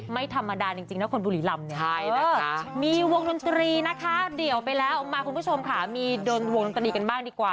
ไม่ธรรมดาจริงนะคนบุรีรำเนี่ยใช่นะคะมีวงดนตรีนะคะเดี่ยวไปแล้วมาคุณผู้ชมค่ะมีดนวงดนตรีกันบ้างดีกว่า